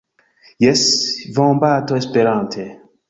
Jes, vombato Esperante.